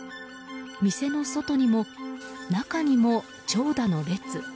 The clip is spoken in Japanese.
店の外にも、中にも長蛇の列。